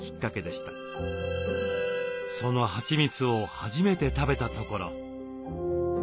そのはちみつを初めて食べたところ。